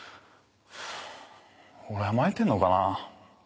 俺甘えてんのかな。